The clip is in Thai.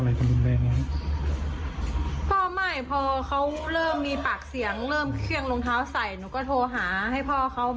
แล้วครั้งนี้เขาก็โวยวายเหมือนแบบสติแตะ